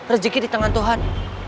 rezeki di tangan tuhan